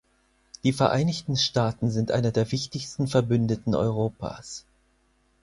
Die Vereinigten Staaten sind einer der wichtigsten Verbündeten Europas.